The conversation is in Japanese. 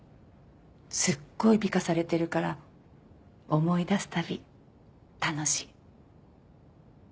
すっごい美化されてるから思い出すたび楽しい。